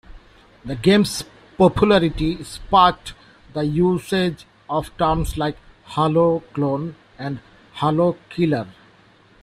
The game's popularity sparked the usage of terms like "Halo" clone" and "Halo" killer.